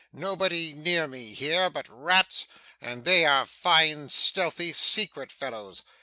Nobody near me here, but rats, and they are fine stealthy secret fellows.